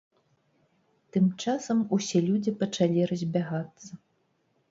Тым часам усе людзі пачалі разбягацца.